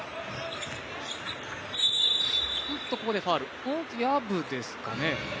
ここでファウル、薮ですかね。